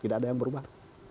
tidak ada yang berubah